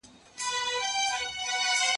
مرگ کله نخرې کوي، کله پردې کوي.